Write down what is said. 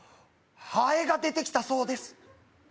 ハエが出てきたそうです